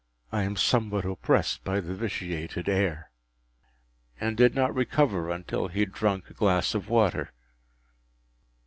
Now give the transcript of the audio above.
I am somewhat oppressed by the vitiated air;” and did not recover until he had drunk a glass of water.